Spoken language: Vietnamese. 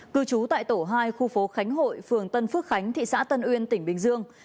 cư trú tại tổ hai khu phố khánh hội phường tân phước khánh thị xã tân uyên tỉnh bình dương